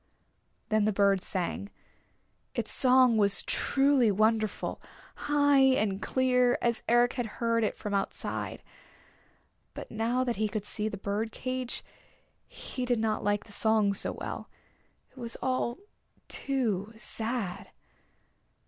Then the bird sang. Its song was truly wonderful, high and clear, as Eric had heard it from outside. But now that he could see the bird caged he did not like the song so well. It was all too sad.